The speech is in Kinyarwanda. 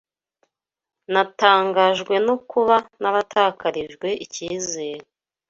Natangajwe no kuba naratakarijwe icyizere